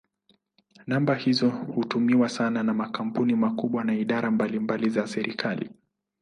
Namba hizo hutumiwa sana na makampuni makubwa na idara mbalimbali za serikali.